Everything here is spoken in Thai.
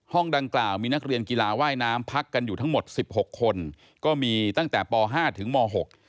ดังกล่าวมีนักเรียนกีฬาว่ายน้ำพักกันอยู่ทั้งหมดสิบหกคนก็มีตั้งแต่ปห้าถึงมหก